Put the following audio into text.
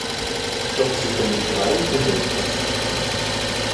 Doch sie können die drei hinter sich lassen.